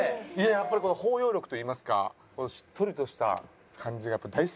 やっぱり包容力といいますかしっとりとした感じが大好きなんですよ。